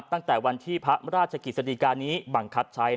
ตั้งแต่วันที่พระราชกิจสดีการนี้บังคับใช้